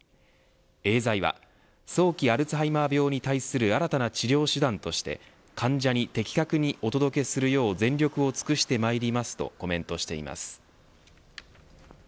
エーザイは早期アルツハイマー病に対する新たな治療手段として患者に的確にお届けするよう全力を尽くしてまいりますとコメントしています。